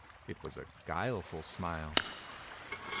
It was a guileful smile.